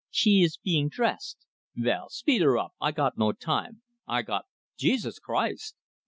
"She ees being dressed " "Vell, speed her up! I got no time. I got Jesus Christ!"